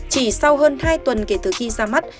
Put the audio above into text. chỉ sau hơn hai tuần kể từ khi ra mắt